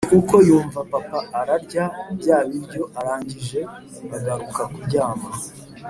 Ni uko yumva papa ararya bya biryo arangije agaruka kuryama.